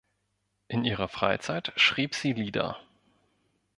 In ihrer Freizeit schrieb sie Lieder.